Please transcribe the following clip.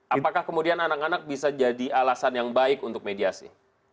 apakah kemudian anak anak bisa jadi alasan yang baik untuk mediasi